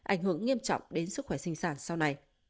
ảnh hưởng nghiêm trọng đến sức khỏe sinh sản sau này